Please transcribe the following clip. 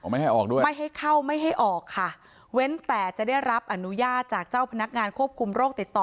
ไม่ให้ออกด้วยไม่ให้เข้าไม่ให้ออกค่ะเว้นแต่จะได้รับอนุญาตจากเจ้าพนักงานควบคุมโรคติดต่อ